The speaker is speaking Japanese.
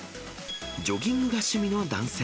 ジョギングが趣味の男性。